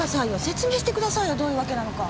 説明してくださいよどういうわけなのか。